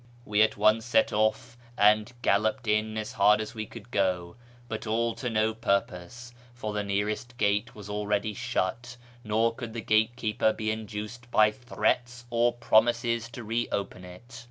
We at once set off and galloped in as hard as we could go, but all to no purpose, for the nearest gate was already shut, nor could the gatekeeper be induced by threats or promises to re opeu it.